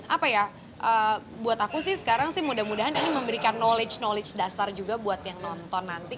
apa ya buat aku sih sekarang sih mudah mudahan ini memberikan knowledge knowledge dasar juga buat yang nonton nanti